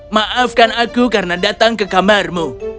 maafkan aku karena datang ke kamarmu